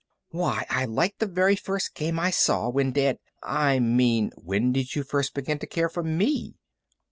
"Why I liked the very first game I saw when Dad " "I mean, when did you first begin to care for me?"